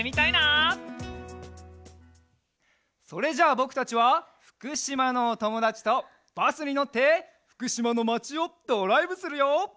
それじゃあぼくたちはふくしまのおともだちとバスにのってふくしまのまちをドライブするよ！